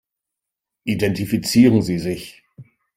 Identifizieren Sie sich.